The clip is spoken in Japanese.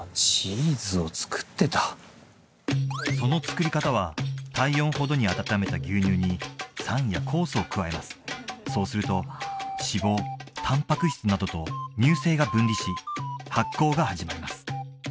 その作り方は体温ほどに温めた牛乳に酸や酵素を加えますそうすると脂肪タンパク質などと乳清が分離し発酵が始まります